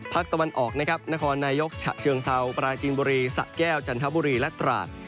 ภาคตะวันออกนครนายกฉะเชิงเซาปราจินบุรีสัตว์แก้วจันทบุรีและตราส